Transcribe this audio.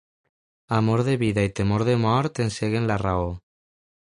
Amor de vida i temor de mort enceguen la raó.